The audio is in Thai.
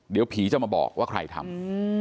เดี๋ยวผีจะมาบอกว่าใครทำ